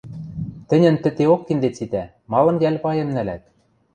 — Тӹньӹн тӹтеок киндет ситӓ, малын йӓл пайым нӓлӓт?